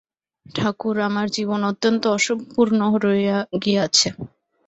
ঠাকুর, আমার জীবন অত্যন্ত অসম্পূর্ণ রহিয়া গিয়াছে।